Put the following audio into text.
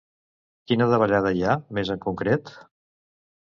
Quina davallada hi ha, més en concret?